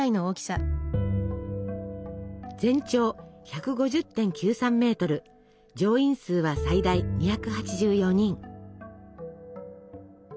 全長１５０．９３ｍ乗員数は最大２８４人。